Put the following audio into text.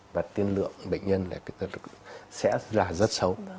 và tiên lượng bệnh nhân sẽ là rất xấu